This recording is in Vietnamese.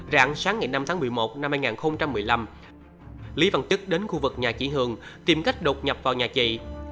rạng sáng ngày năm tháng một mươi một năm hai nghìn một mươi năm lý văn tức đến khu vực nhà chị hường tìm cách đột nhập vào nhà chị